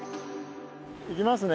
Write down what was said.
いきますね！